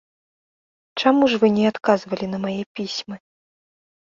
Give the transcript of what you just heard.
— Чаму ж вы не адказвалі на мае пісьмы?